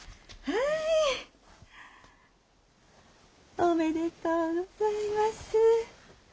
おめでとうございます。